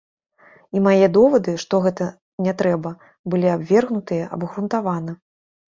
І мае довады, што гэта не трэба, былі абвергнутыя абгрунтавана.